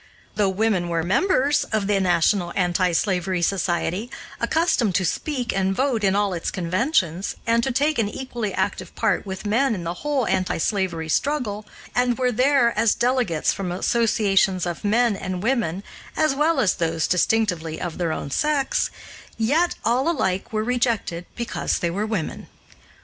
Though women were members of the National Anti slavery Society, accustomed to speak and vote in all its conventions, and to take an equally active part with men in the whole anti slavery struggle, and were there as delegates from associations of men and women, as well as those distinctively of their own sex, yet all alike were rejected because they were women.